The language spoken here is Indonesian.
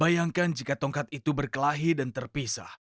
bayangkan jika tongkat itu berkelahi dan terpisah